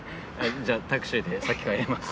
じゃタクシーで先帰ります。